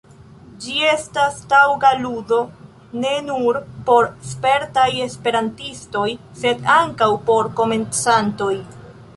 Ĝi estas taŭga ludo ne nur por spertaj esperantistoj, sed ankaŭ por komencantoj.